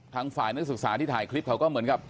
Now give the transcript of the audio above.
ทางฝ่ายนักศึกษาที่ถ่ายคลิปเขาก็เหมือนกับ